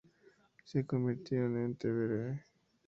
Se convirtieron en "The Verve".